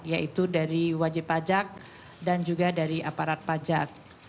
yaitu dari wajib pajak dan juga dari aparat pajak